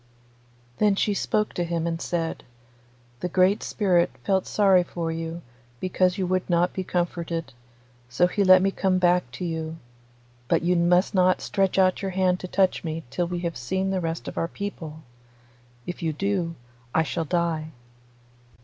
Then she spoke to him and said, 'The Great Spirit felt sorry for you, because you would not be comforted, so he let me come back to you, but you must not stretch out your hand to touch me till we have seen the rest of our people. If you do, I shall die.